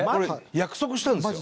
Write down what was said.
約束したんですよ。